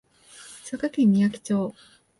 佐賀県みやき町